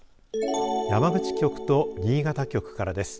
山口局と新潟局からです。